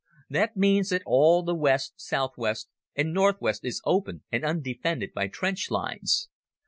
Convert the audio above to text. That means that all the west, south west, and north west is open and undefended by trench lines.